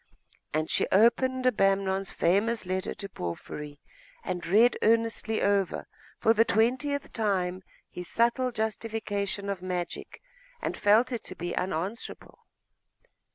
And she opened Abamnon's famous letter to Porphyry, and read earnestly over, for the twentieth time, his subtle justification of magic, and felt it to be unanswerable.